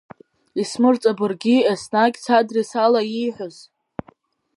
Исмырҵабырги еснагь садрес ала ииҳәоз…